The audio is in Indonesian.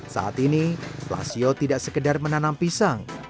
saat ini lasio tidak sekedar menanam pisang